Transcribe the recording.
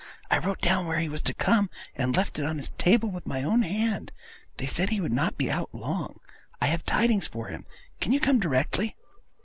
I wrote down where he was to come, and left it on his table with my own hand. They said he would not be out long. I have tidings for him. Can you come directly?